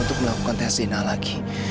untuk melakukan tes sinar lagi